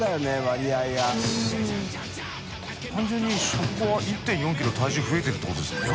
単純に食後は１．４ｋｇ僚増えてるってことですもんね。